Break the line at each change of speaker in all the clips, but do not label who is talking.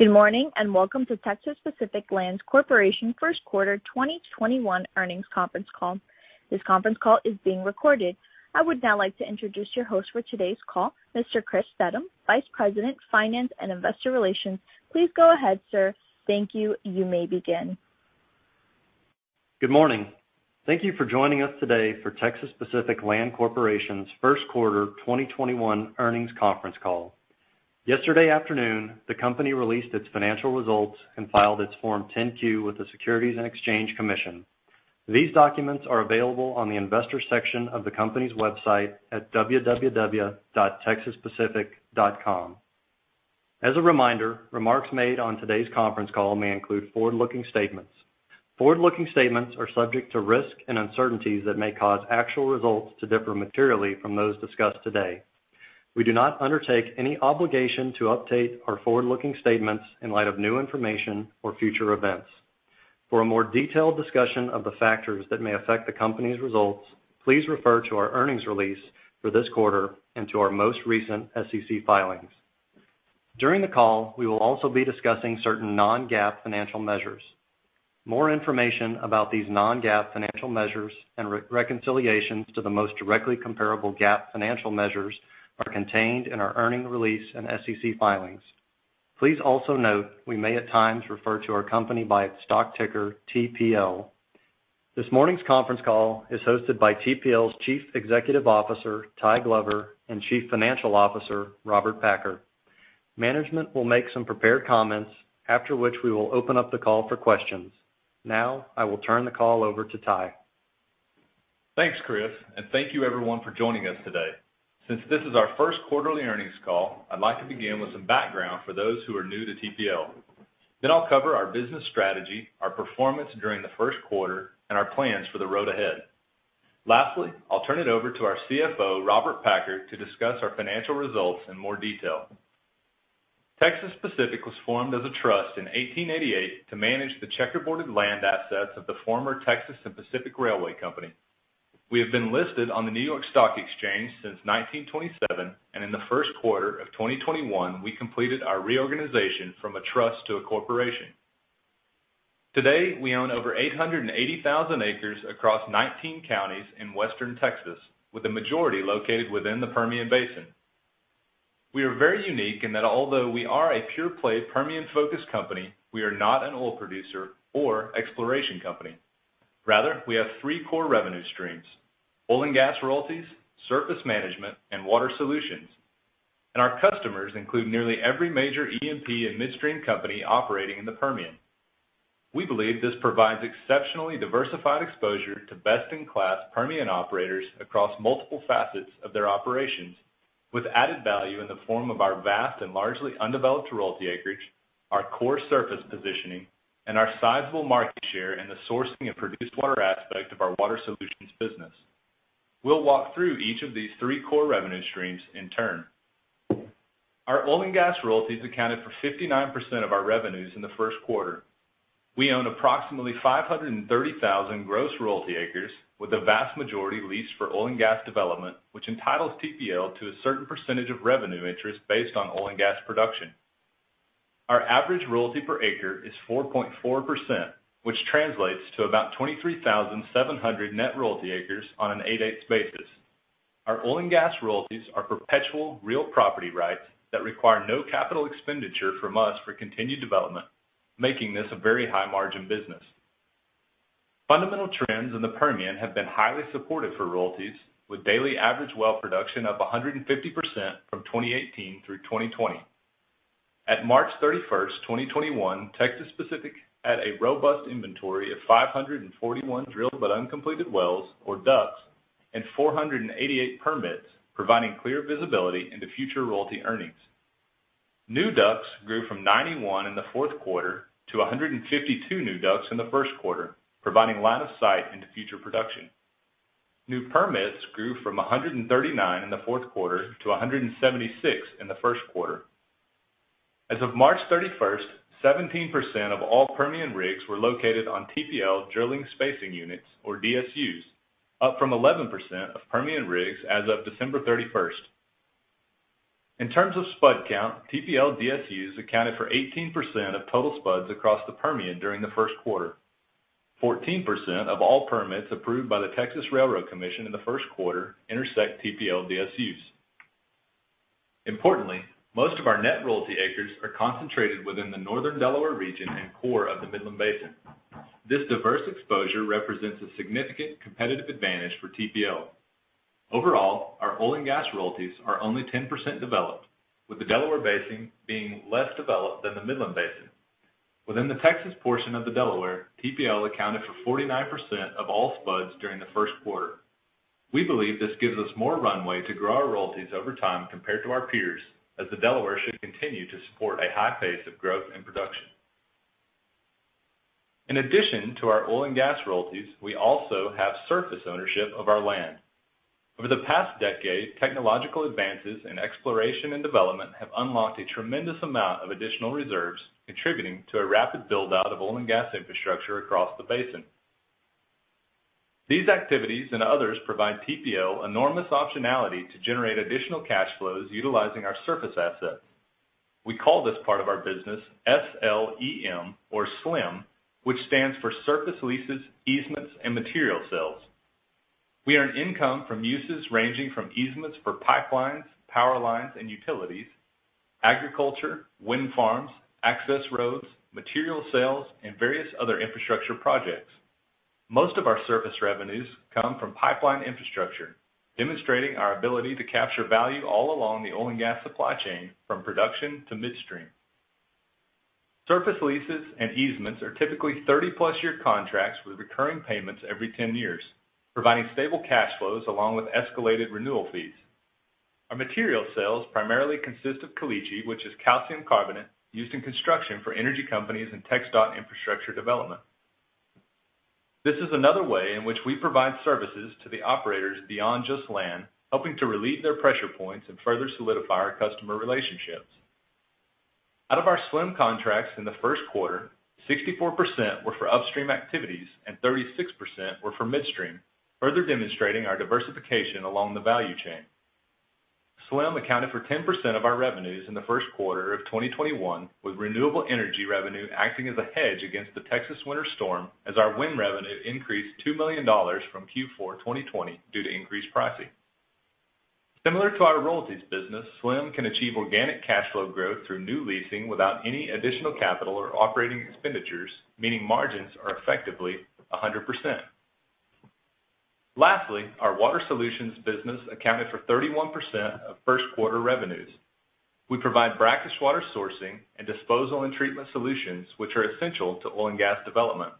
Good morning, welcome to Texas Pacific Land Corporation first quarter 2021 earnings conference call. This conference call is being recorded. I would now like to introduce your host for today's call, Mr. Chris Steddum, Vice President of Finance and Investor Relations. Please go ahead, sir. Thank you. You may begin.
Good morning. Thank you for joining us today for Texas Pacific Land Corporation's first quarter 2021 earnings conference call. Yesterday afternoon, the company released its financial results and filed its Form 10-Q with the Securities and Exchange Commission. These documents are available on the investors section of the company's website at www.texaspacific.com. As a reminder, remarks made on today's conference call may include forward-looking statements. Forward-looking statements are subject to risks and uncertainties that may cause actual results to differ materially from those discussed today. We do not undertake any obligation to update our forward-looking statements in light of new information or future events. For a more detailed discussion of the factors that may affect the company's results, please refer to our earnings release for this quarter and to our most recent SEC filings. During the call, we will also be discussing certain non-GAAP financial measures. More information about these non-GAAP financial measures and reconciliations to the most directly comparable GAAP financial measures are contained in our earning release and SEC filings. Please also note we may at times refer to our company by its stock ticker, TPL. This morning's conference call is hosted by TPL's Chief Executive Officer, Tyler Glover, and Chief Financial Officer, Robert Packer. Management will make some prepared comments, after which we will open up the call for questions. Now, I will turn the call over to Ty.
Thanks, Chris, and thank you everyone for joining us today. Since this is our first quarterly earnings call, I'd like to begin with some background for those who are new to TPL. I'll cover our business strategy, our performance during the first quarter, and our plans for the road ahead. Lastly, I'll turn it over to our CFO, Robert Packer, to discuss our financial results in more detail. Texas Pacific was formed as a trust in 1888 to manage the checkerboarded land assets of the former Texas and Pacific Railway Company. We have been listed on the New York Stock Exchange since 1927, and in the first quarter of 2021, we completed our reorganization from a trust to a corporation. Today, we own over 880,000 acres across 19 counties in Western Texas, with a majority located within the Permian Basin. We are very unique in that although we are a pure-play Permian-focused company, we are not an oil producer or exploration company. Rather, we have three core revenue streams: oil and gas royalties, surface management, and water solutions. Our customers include nearly every major E&P and midstream company operating in the Permian. We believe this provides exceptionally diversified exposure to best-in-class Permian operators across multiple facets of their operations, with added value in the form of our vast and largely undeveloped royalty acreage, our core surface positioning, and our sizable market share in the sourcing and produced water aspect of our water solutions business. We'll walk through each of these three core revenue streams in turn. Our oil and gas royalties accounted for 59% of our revenues in the first quarter. We own approximately 530,000 gross royalty acres, with the vast majority leased for oil and gas development, which entitles TPL to a certain percentage of revenue interest based on oil and gas production. Our average royalty per acre is 4.4%, which translates to about 23,700 net royalty acres on an eight-eighths basis. Our oil and gas royalties are perpetual real property rights that require no capital expenditure from us for continued development, making this a very high-margin business. Fundamental trends in the Permian have been highly supportive for royalties, with daily average well production up 150% from 2018 through 2020. On March 31st, 2021, Texas Pacific had a robust inventory of 541 drilled but uncompleted wells, or DUCs, and 488 permits, providing clear visibility into future royalty earnings. New DUCs grew from 91 in the fourth quarter to 152 new DUCs in the first quarter, providing line of sight into future production. New permits grew from 139 in the fourth quarter to 176 in the first quarter. As of March 31st, 17% of all Permian rigs were located on TPL drilling spacing units, or DSUs, up from 11% of Permian rigs as of December 31st. In terms of spud count, TPL DSUs accounted for 18% of total spuds across the Permian during the first quarter. 14% of all permits approved by the Railroad Commission of Texas in the first quarter intersect TPL DSUs. Importantly, most of our net royalty acres are concentrated within the Northern Delaware region and core of the Midland Basin. This diverse exposure represents a significant competitive advantage for TPL. Overall, our oil and gas royalties are only 10% developed, with the Delaware Basin being less developed than the Midland Basin. Within the Texas portion of the Delaware, TPL accounted for 49% of all spuds during the first quarter. We believe this gives us more runway to grow our royalties over time compared to our peers as the Delaware should continue to support a high pace of growth and production. In addition to our oil and gas royalties, we also have surface ownership of our land. Over the past decade, technological advances in exploration and development have unlocked a tremendous amount of additional reserves, contributing to a rapid build-out of oil and gas infrastructure across the basin. These activities and others provide TPL enormous optionality to generate additional cash flows utilizing our surface assets. We call this part of our business S-L-E-M, or SLEM, which stands for Surface Leases, Easements, and Material sales. We earn income from uses ranging from easements for pipelines, power lines, and utilities; agriculture; wind farms; access roads; material sales; and various other infrastructure projects. Most of our surface revenues come from pipeline infrastructure, demonstrating our ability to capture value all along the oil and gas supply chain, from production to midstream. Surface leases and easements are typically 30+ year contracts with recurring payments every 10 years, providing stable cash flows along with escalated renewal fees. Our material sales primarily consist of caliche, which is calcium carbonate used in construction for energy companies and TxDOT infrastructure development. This is another way in which we provide services to the operators beyond just land, helping to relieve their pressure points and further solidify our customer relationships. Out of our SLEM contracts in the first quarter, 64% were for upstream activities and 36% were for midstream, further demonstrating our diversification along the value chain. SLEM accounted for 10% of our revenues in the first quarter of 2021, with renewable energy revenue acting as a hedge against the Texas winter storm as our wind revenue increased $2 million from Q4 2020 due to increased pricing. Similar to our royalties business, SLEM can achieve organic cash flow growth through new leasing without any additional capital or operating expenditures, meaning margins are effectively 100%. Lastly, our water solutions business accounted for 31% of first quarter revenues. We provide brackish water sourcing and disposal and treatment solutions, which are essential to oil and gas development.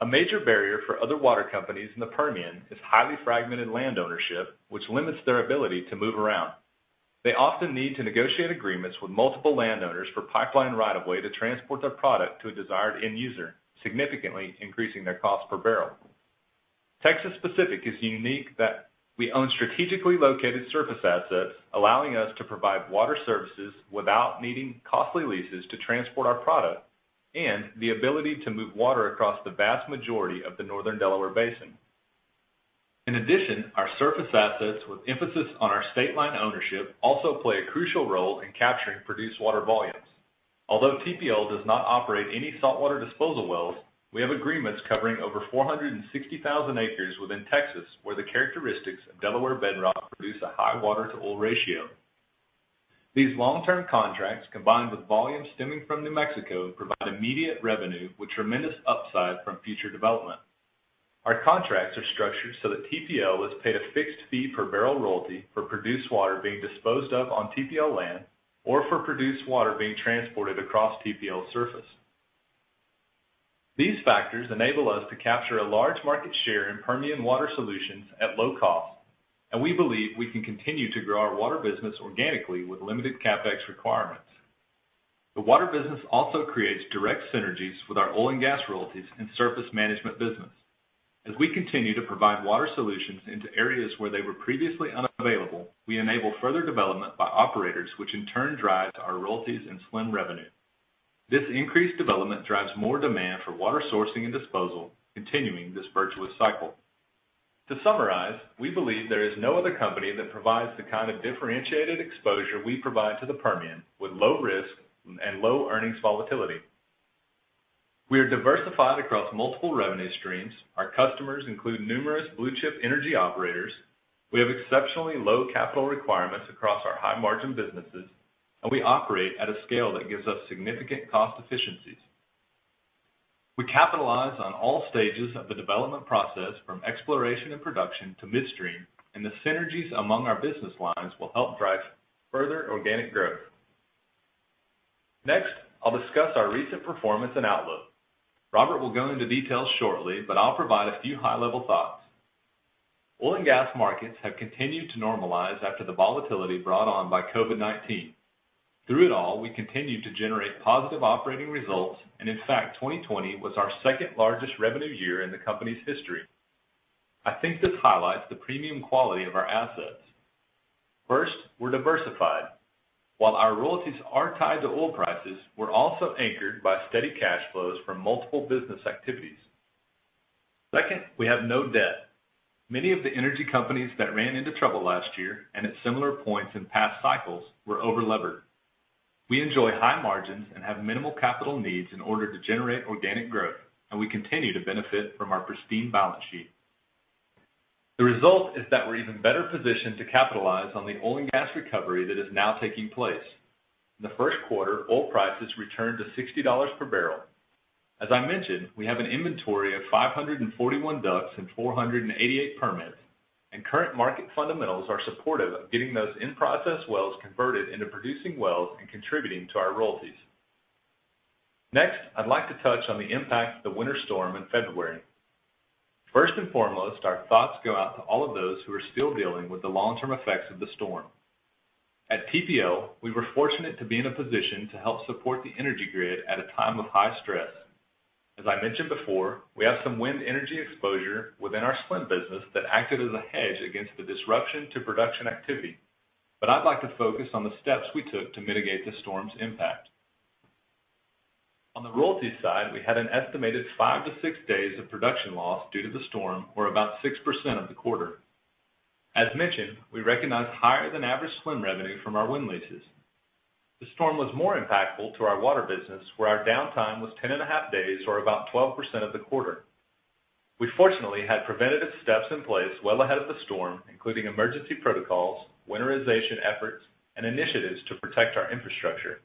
A major barrier for other water companies in the Permian is highly fragmented land ownership, which limits their ability to move around. They often need to negotiate agreements with multiple landowners for pipeline right of way to transport their product to a desired end user, significantly increasing their cost per barrel. Texas Pacific is unique in that we own strategically located surface assets, allowing us to provide water services without needing costly leases to transport our product, and the ability to move water across the vast majority of the northern Delaware Basin. In addition, our surface assets, with emphasis on our state line ownership, also play a crucial role in capturing produced water volumes. Although TPL does not operate any saltwater disposal wells, we have agreements covering over 460,000 acres within Texas, where the characteristics of Delaware bedrock produce a high water-to-oil ratio. These long-term contracts, combined with volume stemming from New Mexico, provide immediate revenue with tremendous upside from future development. Our contracts are structured so that TPL is paid a fixed fee per barrel royalty for produced water being disposed of on TPL land or for produced water being transported across TPL surface. These factors enable us to capture a large market share in Permian water solutions at low cost, and we believe we can continue to grow our water business organically with limited CapEx requirements. The water business also creates direct synergies with our oil and gas royalties and surface management business. As we continue to provide water solutions in areas where they were previously unavailable, we enable further development by operators, which in turn drives our royalties and SLEM revenue. This increased development drives more demand for water sourcing and disposal, continuing this virtuous cycle. To summarize, we believe there is no other company that provides the kind of differentiated exposure we provide to the Permian with low risk and low earnings volatility. We are diversified across multiple revenue streams. Our customers include numerous blue-chip energy operators. We have exceptionally low capital requirements across our high-margin businesses, and we operate at a scale that gives us significant cost efficiencies. We capitalize on all stages of the development process, from exploration and production to midstream, and the synergies among our business lines will help drive further organic growth. Next, I'll discuss our recent performance and outlook. Robert will go into details shortly, but I'll provide a few high level thoughts. Oil and gas markets have continued to normalize after the volatility brought on by COVID-19. Through it all, we continue to generate positive operating results, and in fact, 2020 was our second largest revenue year in the company's history. I think this highlights the premium quality of our assets. First, we're diversified. While our royalties are tied to oil prices, we're also anchored by steady cash flows from multiple business activities. Second, we have no debt. Many of the energy companies that ran into trouble last year and at similar points in past cycles were overlevered. We enjoy high margins and have minimal capital needs in order to generate organic growth, and we continue to benefit from our pristine balance sheet. The result is that we're even better positioned to capitalize on the oil and gas recovery that is now taking place. In the first quarter, oil prices returned to $60 per barrel. As I mentioned, we have an inventory of 541 DUCs and 488 permits, and current market fundamentals are supportive of getting those in-process wells converted into producing wells and contributing to our royalties. I'd like to touch on the impact of the winter storm in February. First and foremost, our thoughts go out to all of those who are still dealing with the long-term effects of the storm. At TPL, we were fortunate to be in a position to help support the energy grid at a time of high stress. As I mentioned before, we have some wind energy exposure within our SLEM business that acted as a hedge against the disruption to production activity. I'd like to focus on the steps we took to mitigate the storm's impact. On the royalty side, we had an estimated five-six days of production loss due to the storm, or about 6% of the quarter. As mentioned, we recognized higher than average SLEM revenue from our wind leases. The storm was more impactful to our water business, where our downtime was 10 and a half days, or about 12% of the quarter. We fortunately had preventative steps in place well ahead of the storm, including emergency protocols, winterization efforts, and initiatives to protect our infrastructure.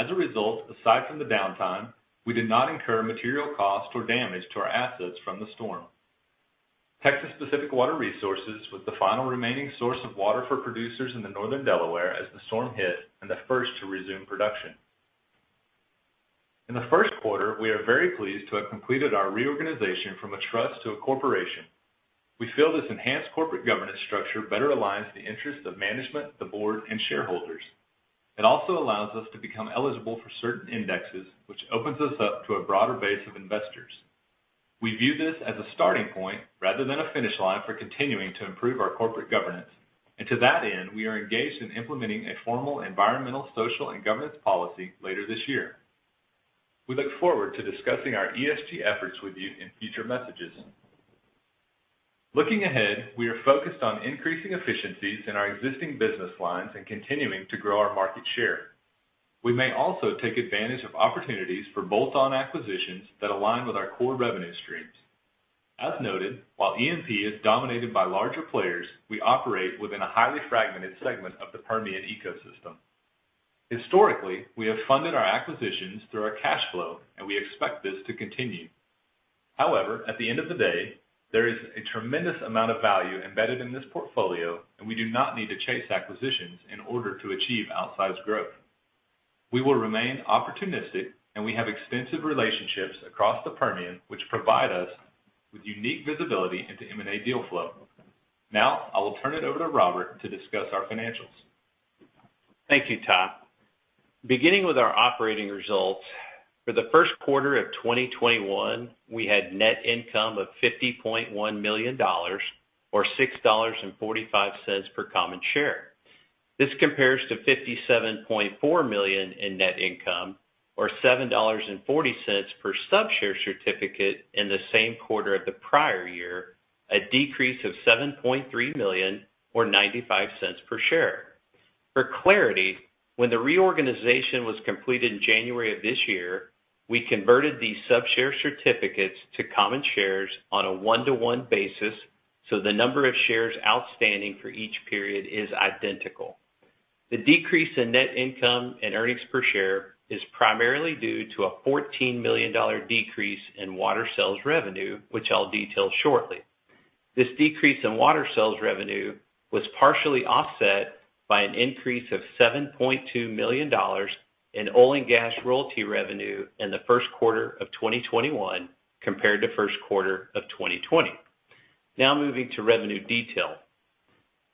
As a result, aside from the downtime, we did not incur material cost or damage to our assets from the storm. Texas Pacific Water Resources was the final remaining source of water for producers in northern Delaware as the storm hit and the first to resume production. In the first quarter, we are very pleased to have completed our reorganization from a trust to a corporation. We feel this enhanced corporate governance structure better aligns the interests of management, the board, and shareholders. It also allows us to become eligible for certain indexes, which opens us up to a broader base of investors. We view this as a starting point rather than a finish line for continuing to improve our corporate governance. To that end, we are engaged in implementing a formal environmental, social, and governance policy later this year. We look forward to discussing our ESG efforts with you in future messages. Looking ahead, we are focused on increasing efficiencies in our existing business lines and continuing to grow our market share. We may also take advantage of opportunities for bolt-on acquisitions that align with our core revenue streams. As noted, while E&P is dominated by larger players, we operate within a highly fragmented segment of the Permian ecosystem. Historically, we have funded our acquisitions through our cash flow, and we expect this to continue. However, at the end of the day, there is a tremendous amount of value embedded in this portfolio, and we do not need to chase acquisitions in order to achieve outsized growth. We will remain opportunistic, and we have extensive relationships across the Permian, which provide us with unique visibility into M&A deal flow. Now, I will turn it over to Robert to discuss our financials.
Thank you, Ty. With our operating results, for the first quarter of 2021, we had net income of $50.1 million, or $6.45 per common share. This compares to $57.4 million in net income, or $7.40 per sub-share certificate, in the same quarter of the prior year, a decrease of $7.3 million, or $0.95 per share. For clarity, when the reorganization was completed in January of this year, we converted these sub-share certificates to common shares on a 1:1 basis, so the number of shares outstanding for each period is identical. The decrease in net income and earnings per share is primarily due to a $14 million decrease in water sales revenue, which I'll detail shortly. This decrease in water sales revenue was partially offset by an increase of $7.2 million in oil and gas royalty revenue in the first quarter of 2021 compared to the first quarter of 2020. Moving to revenue detail.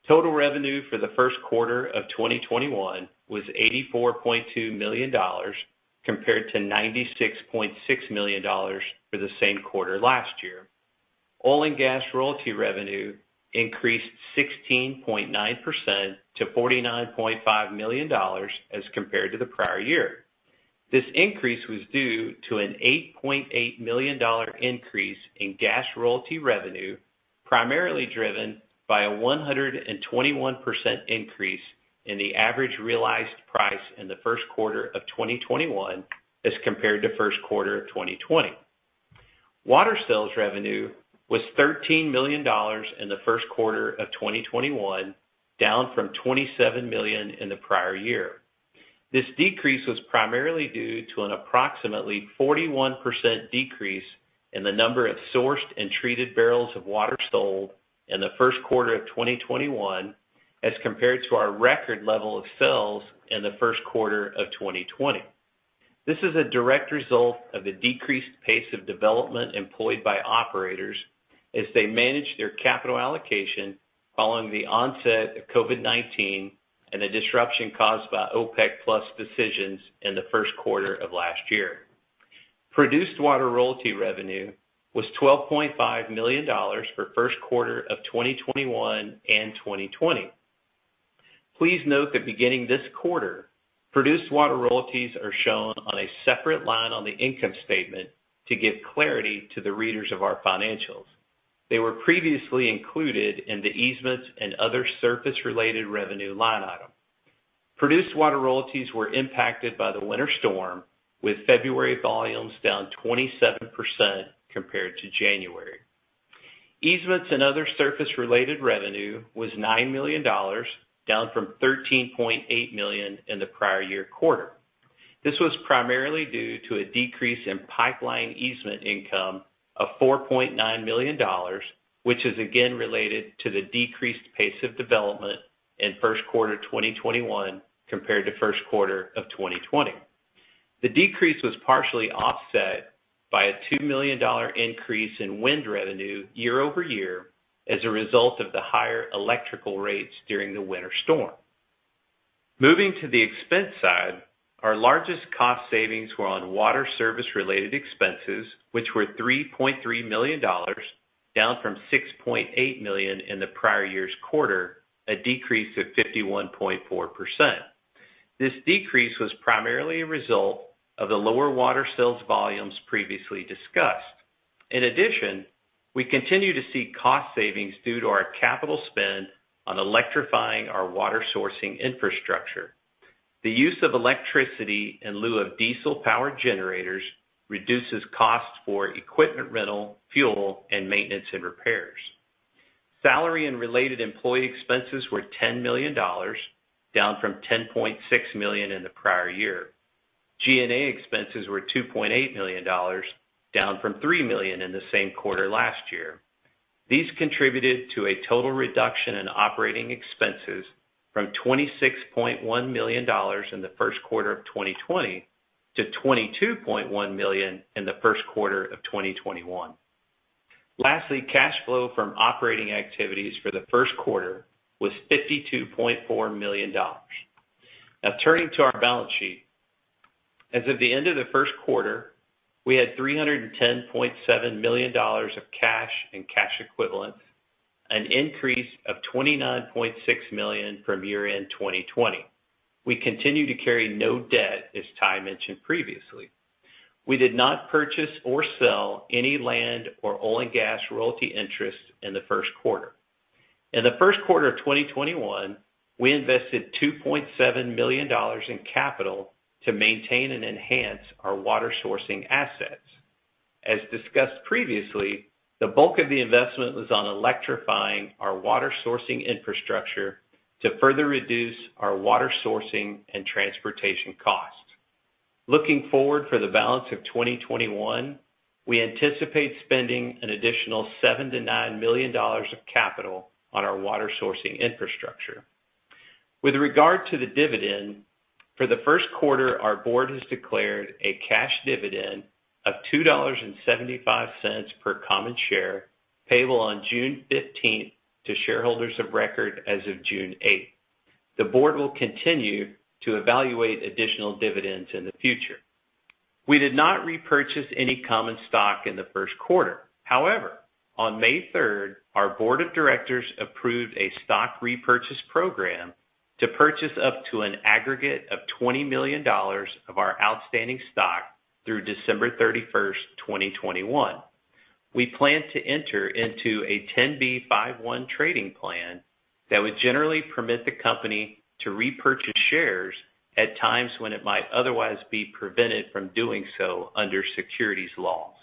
Total revenue for the first quarter of 2021 was $84.2 million, compared to $96.6 million for the same quarter last year. Oil and gas royalty revenue increased 16.9% to $49.5 million as compared to the prior year. This increase was due to an $8.8 million increase in gas royalty revenue, primarily driven by a 121% increase in the average realized price in the first quarter of 2021 as compared to the first quarter of 2020. Water sales revenue was $13 million in the first quarter of 2021, down from $27 million in the prior year. This decrease was primarily due to an approximately 41% decrease in the number of sourced and treated barrels of water sold in the first quarter of 2021 as compared to our record level of sales in the first quarter of 2020. This is a direct result of the decreased pace of development employed by operators as they manage their capital allocation following the onset of COVID-19 and the disruption caused by OPEC+ decisions in the first quarter of last year. produced water royalty revenue was $12.5 million for first quarter of 2021 and 2020. Please note that beginning this quarter, produced water royalties are shown on a separate line on the income statement to give clarity to the readers of our financials. They were previously included in the easements and other surface-related revenue line items. Produced water royalties were impacted by the Winter Storm, with February volumes down 27% compared to January. Easements and other surface-related revenue was $9 million, down from $13.8 million in the prior year quarter. This was primarily due to a decrease in pipeline easement income of $4.9 million, which is again related to the decreased pace of development in first quarter 2021 compared to first quarter of 2020. The decrease was partially offset by a $2 million increase in wind revenue year-over-year as a result of the higher electrical rates during the Winter Storm. Moving to the expense side, our largest cost savings were on water service-related expenses, which were $3.3 million, down from $6.8 million in the prior year's quarter, a decrease of 51.4%. This decrease was primarily a result of the lower water sales volumes previously discussed. In addition, we continue to see cost savings due to our capital spending on electrifying our water sourcing infrastructure. The use of electricity in lieu of diesel-powered generators reduces costs for equipment rental, fuel, and maintenance and repairs. Salary and related employee expenses were $10 million, down from $10.6 million in the prior year. G&A expenses were $2.8 million, down from $3 million in the same quarter last year. These contributed to a total reduction in operating expenses from $26.1 million in the first quarter of 2020 to $22.1 million in the first quarter of 2021. Lastly, cash flow from operating activities for the first quarter was $52.4 million. Now turning to our balance sheet. As of the end of the first quarter, we had $310.7 million of cash and cash equivalents, an increase of $29.6 million from year-end 2020. We continue to carry no debt, as Ty mentioned previously. We did not purchase or sell any land or oil and gas royalty interests in the first quarter. In the first quarter of 2021, we invested $2.7 million in capital to maintain and enhance our water-sourcing assets. As discussed previously, the bulk of the investment was on electrifying our water sourcing infrastructure to further reduce our water sourcing and transportation costs. Looking forward to the balance of 2021, we anticipate spending an additional $7 million-$9 million of capital on our water sourcing infrastructure. With regard to the dividend, for the first quarter, our board has declared a cash dividend of $2.75 per common share, payable on June 15th to shareholders of record as of June 8th. The board will continue to evaluate additional dividends in the future. We did not repurchase any common stock in the first quarter. On May 3rd, our board of directors approved a stock repurchase program to purchase up to an aggregate of $20 million of our outstanding stock through December 31st, 2021. We plan to enter into a 10b5-1 trading plan that would generally permit the company to repurchase shares at times when it might otherwise be prevented from doing so under securities laws.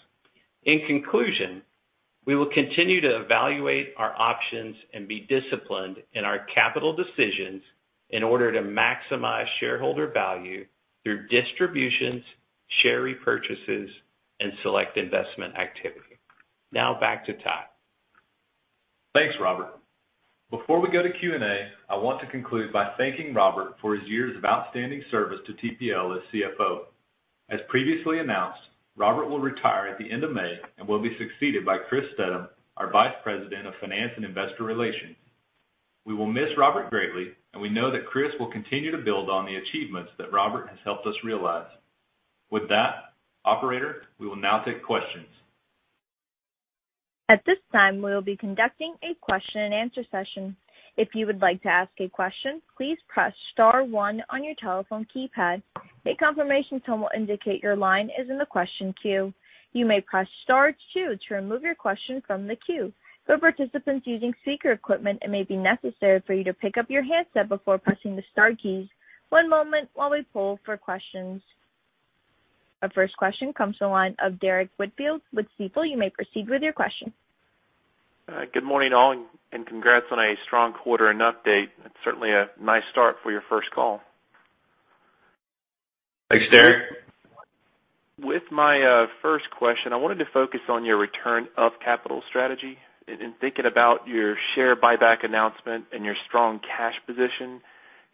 In conclusion, we will continue to evaluate our options and be disciplined in our capital decisions in order to maximize shareholder value through distributions, share repurchases, and select investment activity. Back to Ty.
Thanks, Robert. Before we go to Q&A, I want to conclude by thanking Robert for his years of outstanding service to TPL as CFO. As previously announced, Robert will retire at the end of May and will be succeeded by Chris Steddum, our Vice President of Finance and Investor Relations. We will miss Robert greatly, and we know that Chris will continue to build on the achievements that Robert has helped us realize. With that, operator, we will now take questions.
At this time, we will be conducting a question-and-answer session. If you would like to ask a question, please press star one on your telephone keypad. A confirmation tone will indicate your line is in the question queue. You may press star two to remove your question from the queue. For participants using speaker equipment, it may be necessary for you to pick up your handset before pressing the star keys. One moment while we poll for questions. Our first question comes to the line of Derrick Whitfield with Stifel. You may proceed with your question.
Good morning, all, and congrats on a strong quarter and update. It's certainly a nice start for your first call.
Thanks, Derrick.
With my first question, I wanted to focus on your return of capital strategy. In thinking about your share buyback announcement and your strong cash position,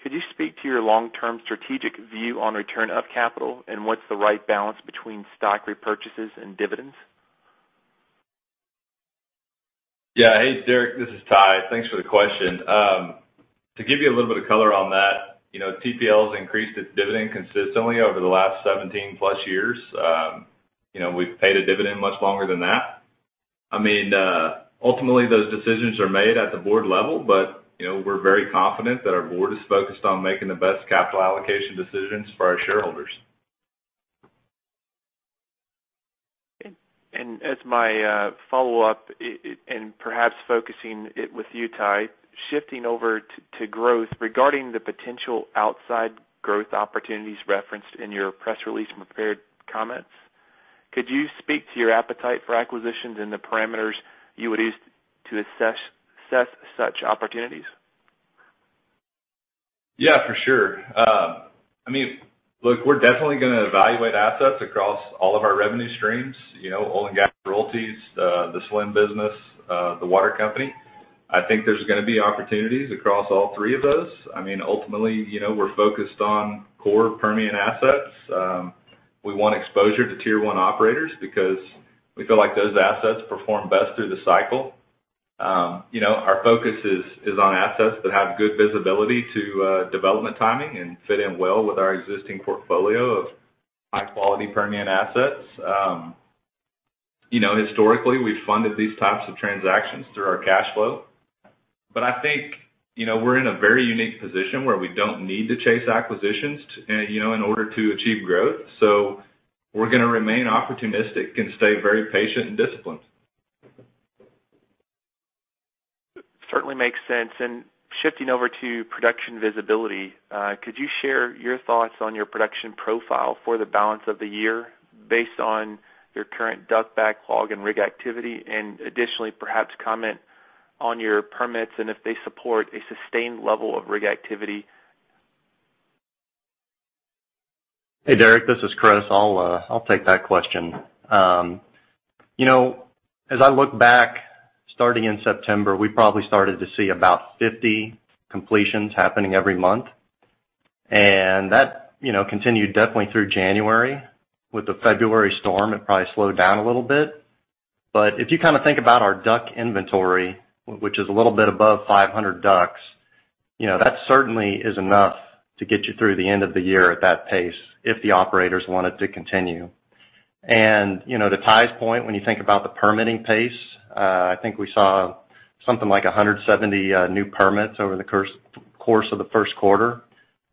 could you speak to your long-term strategic view on return of capital and what's the right balance between stock repurchases and dividends?
Hey, Derrick. This is Ty. Thanks for the question. To give you a little bit of color on that, TPL's increased its dividend consistently over the last 17+ years. We've paid a dividend much longer than that. Ultimately, those decisions are made at the board level, but we're very confident that our board is focused on making the best capital allocation decisions for our shareholders.
As my follow-up, and perhaps focusing it with you, Ty, shifting over to growth, regarding the potential outside growth opportunities referenced in your press release and prepared comments, could you speak to your appetite for acquisitions and the parameters you would use to assess such opportunities?
Yeah, for sure. Look, we're definitely going to evaluate assets across all of our revenue streams: oil and gas royalties, the SLEM business, and the water company. I think there's going to be opportunities across all three of those. Ultimately, we're focused on core Permian assets. We want exposure to Tier 1 operators because we feel like those assets perform best through the cycle. Our focus is on assets that have good visibility to development timing and fit in well with our existing portfolio of high-quality Permian assets. Historically, we've funded these types of transactions through our cash flow. I think we're in a very unique position where we don't need to chase acquisitions in order to achieve growth. We're going to remain opportunistic and stay very patient and disciplined.
Certainly makes sense. Shifting over to production visibility, could you share your thoughts on your production profile for the balance of the year based on your current DUC backlog and rig activity? Additionally, perhaps comment on your permits and if they support a sustained level of rig activity.
Hey, Derrick, this is Chris. I'll take that question. As I look back, starting in September, we probably started to see about 50 completions happening every month, and that continued definitely through January. With Winter Storm Uri, it probably slowed down a little bit. If you think about our DUC inventory, which is a little bit above 500 DUCs, that certainly is enough to get you through the end of the year at that pace if the operators want it to continue. To Ty's point, when you think about the permitting pace, I think we saw something like 170 new permits over the course of the first quarter.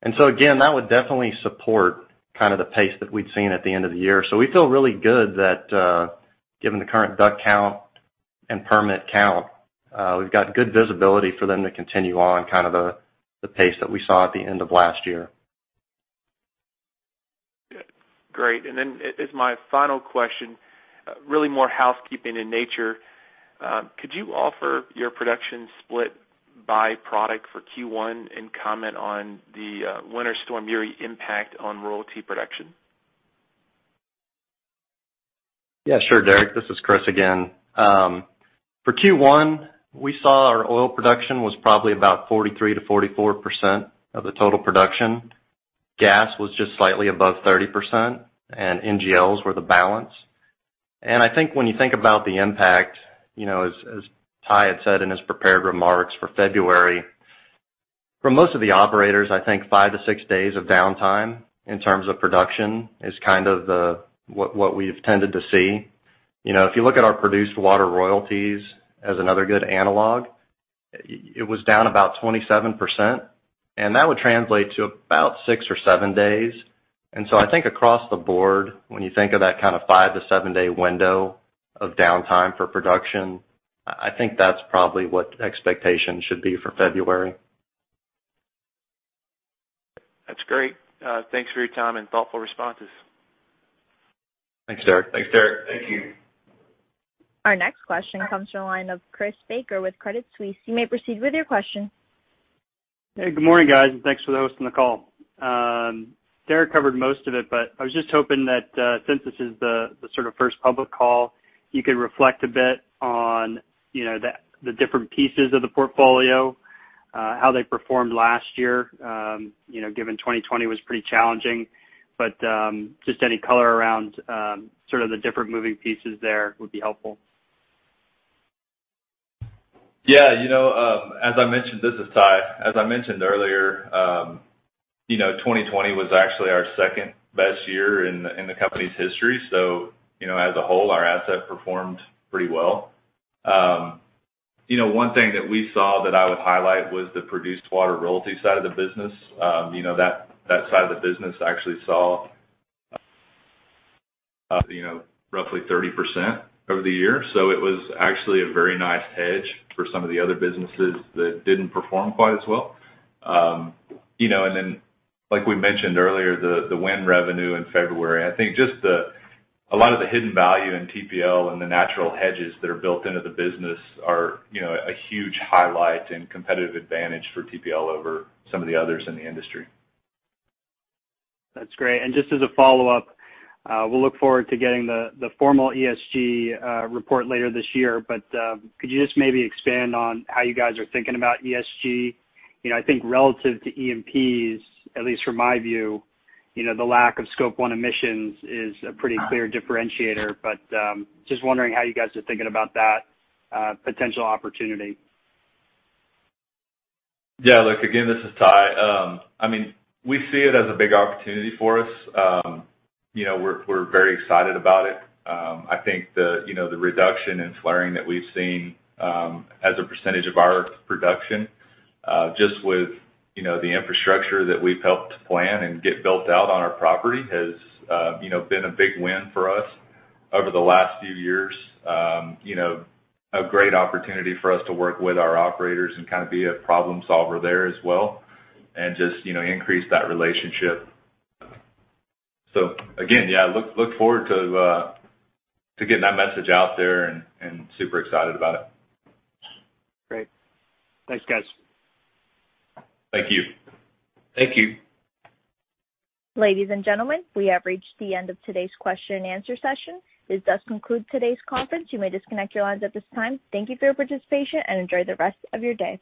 Again, that would definitely support the pace that we'd seen at the end of the year. We feel really good that, given the current DUC count and permit count, we've got good visibility for them to continue on the pace that we saw at the end of last year.
Great. As my final question, really more housekeeping in nature, could you offer your production split by product for Q1 and comment on the Winter Storm Uri impact on royalty production?
Sure, Derrick. This is Chris again. For Q1, we saw our oil production was probably about 43%-44% of the total production. Gas was just slightly above 30%; NGLs were the balance. I think when you think about the impact, as Ty had said in his prepared remarks for February, for most of the operators, I think five-six days of downtime in terms of production is what we've tended to see. If you look at our produced water royalties as another good analog, it was down about 27%, and that would translate to about six or seven days. I think across the board, when you think of that five-seven-day window of downtime for production, I think that's probably what the expectation should be for February.
That's great. Thanks for your time and thoughtful responses.
Thanks, Derrick.
Thanks, Derrick. Thank you.
Our next question comes from the line of Chris Baker with Credit Suisse. You may proceed with your question.
Hey, good morning, guys, and thanks for hosting the call. Derrick covered most of it. I was just hoping that, since this is the sort of first public call, you could reflect a bit on the different pieces of the portfolio, how they performed last year, given 2020 was pretty challenging. Just any color around sort of the different moving pieces there would be helpful.
Yeah. This is Ty. As I mentioned earlier, 2020 was actually our second-best year in the company's history. As a whole, our asset performed pretty well. One thing that we saw that I would highlight was the produced water royalty side of the business. That side of the business actually saw roughly 30% over the year. It was actually a very nice hedge for some of the other businesses that didn't perform quite as well. Like we mentioned earlier, the wind revenue in February, I think just a lot of the hidden value in TPL and the natural hedges that are built into the business are a huge highlight and competitive advantage for TPL over some of the others in the industry.
That's great. Just as a follow-up, we'll look forward to getting the formal ESG report later this year. Could you just maybe expand on how you guys are thinking about ESG? I think relative to E&Ps, at least from my view, the lack of Scope 1 emissions is a pretty clear differentiator. Just wondering how you guys are thinking about that potential opportunity.
Yeah, look, again, this is Ty. We see it as a big opportunity for us. We're very excited about it. I think the reduction in flaring that we've seen as a percentage of our production, just with the infrastructure that we've helped to plan and get built out on our property, has been a big win for us over the last few years. A great opportunity for us to work with our operators and kind of be a problem solver there as well and just increase that relationship. Again, yeah, I look forward to getting that message out there and super excited about it.
Great. Thanks, guys.
Thank you.
Thank you.
Ladies and gentlemen, we have reached the end of today's question-and-answer session. This does conclude today's conference. You may disconnect your lines at this time. Thank you for your participation, and enjoy the rest of your day.